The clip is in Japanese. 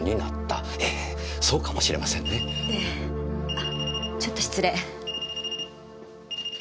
あっちょっと失礼。